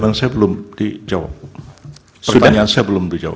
pertanyaan saya belum dijawab